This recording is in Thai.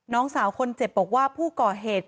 น้องสาวคนเจ็บบอกว่าผู้ก่อเหตุ